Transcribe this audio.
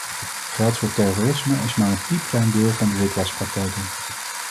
Geld voor terrorisme is maar een piepklein deel van de witwaspraktijken.